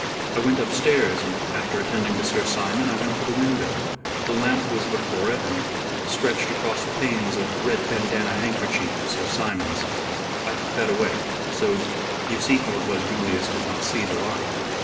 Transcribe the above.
I went upstairs, and after attending to Sir Simon, I went to the window. The lamp was before it, and stretched across the pane was a red bandanna handkerchief of Sir Simon's. I took that away, so you see how it was Julius did not see the light."